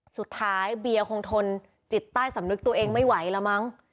สุดท้ายเบียร์คงทนจิตใต้สำนึกตัวเองไม่ไหวแล้วมั้ง